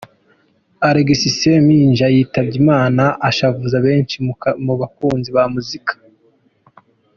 Alex Ssempijja yitabye Imana ashavuza benshi mu bakunzi ba muzika.